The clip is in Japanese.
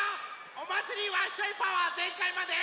おまつりワッショイパワーぜんかいまで。